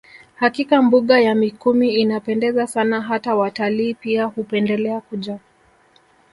Hakika mbuga ya Mikumi inapendeza Sana hata watalii pia hupendelea kuja